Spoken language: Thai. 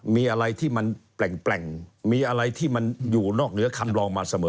มีอะไรที่มันแปลงมีอะไรที่มันอยู่นอกเหนือคำลองมาเสมอ